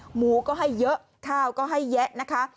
หมูก็ให้เยอะข้าวก็ให้แยะนะคะ